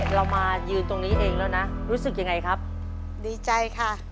รายการเราดี